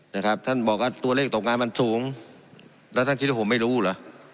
นะครับท่านบอกว่าตัวเลขตกงานมันสูงแล้วท่านคิดว่าผมไม่รู้เหรอ